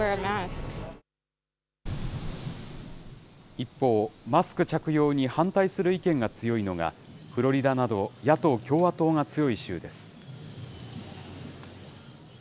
一方、マスク着用に反対する意見が強いのが、フロリダなど、野党・共和党が強い州です。